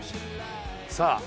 さあ。